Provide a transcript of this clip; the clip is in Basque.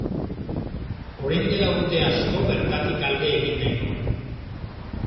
Orain dela urte asko bertatik alde egin nahi nuen.